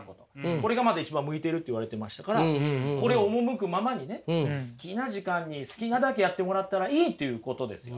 これが一番向いてると言われてましたからこれを赴くままにね好きな時間に好きなだけやってもらったらいいっていうことですよ。